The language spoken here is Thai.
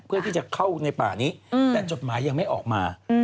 เพื่อที่จะเข้าในป่านี้แต่จดหมายยังไม่ออกมา